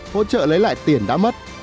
hỗ trợ lấy lại tiền đã mất